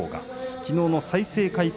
きのうの再生回数